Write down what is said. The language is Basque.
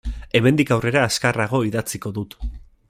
Hemendik aurrera azkarrago idatziko dut.